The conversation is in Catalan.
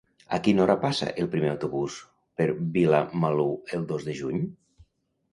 A quina hora passa el primer autobús per Vilamalur el dos de juny?